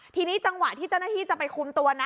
ทีนี้จังหวะที่เจ้าหน้าที่จะไปคุมตัวนะ